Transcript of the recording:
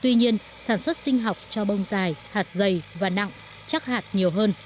tuy nhiên sản xuất sinh học cho bông dài hạt dày và nặng chắc hạt nhiều hơn